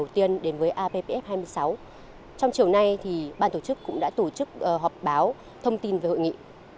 trong chiều nay ban tổ chức cũng đã tổ chức họp báo thông tin về hội nghị